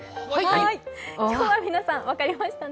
今日は皆さん分かりましたね。